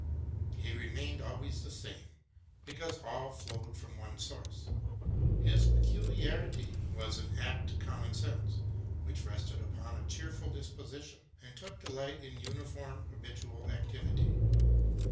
He remained always the same, because all flowed from one source. His peculiarity was an apt common sense, which rested upon a cheerful disposition, and took delight in uniform habitual activity.